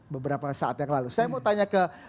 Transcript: beberapa saat yang lalu saya mau tanya ke